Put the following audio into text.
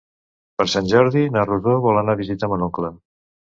Per Sant Jordi na Rosó vol anar a visitar mon oncle.